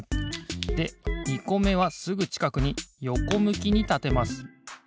で２こめはすぐちかくによこむきにたてます。